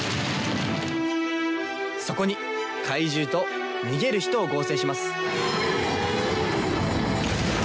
そこに怪獣と逃げる人を合成します。